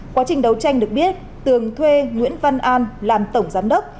quá trình đấu tranh được biết tường thuê nguyễn văn an làm tổng giám đốc